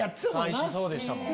最初そうでしたもん。